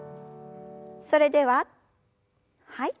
それでははい。